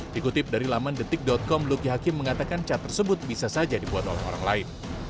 dikutip dari laman detik com luki hakim mengatakan cat tersebut bisa saja dibuat oleh orang lain